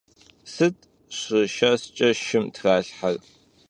Sıt şışşesç'e şşım tralhher?